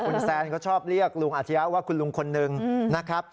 คุณแซนเขาชอบเรียกลุงอาชียะว่าคุณลุงคนหนึ่งนะครับ